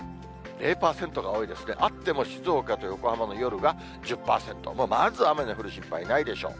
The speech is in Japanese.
０％が多いですね、あっても静岡と横浜の夜が１０％、もうまず雨の降る心配ないでしょう。